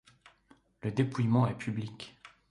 Le dépouillement est public.